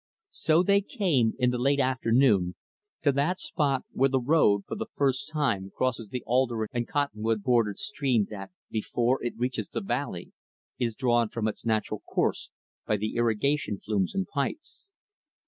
So they came, in the late afternoon, to that spot where the road for the first time crosses the alder and cottonwood bordered stream that, before it reaches the valley, is drawn from its natural course by the irrigation flumes and pipes.